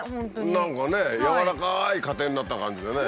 何かねやわらかい家庭になった感じでね。